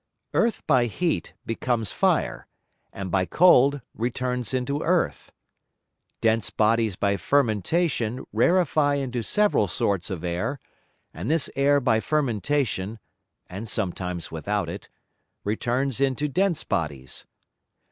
Earth by Heat becomes Fire, and by Cold returns into Earth. Dense Bodies by Fermentation rarify into several sorts of Air, and this Air by Fermentation, and sometimes without it, returns into dense Bodies.